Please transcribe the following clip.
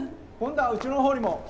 今度はうちの方にも。